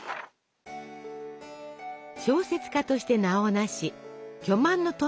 小説家として名を成し巨万の富を得たデュマ。